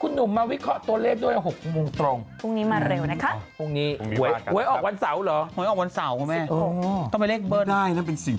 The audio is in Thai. คุณหนุ่มมาวิเคราะห์ตัวเลขด้วย๖มูลตรง